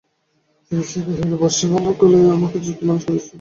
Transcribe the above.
সে উপবিষ্টা হইয়া কহিল, বৎসে, বাল্যকালে অনেক যত্নে তোমাকে মানুষ করিয়াছি।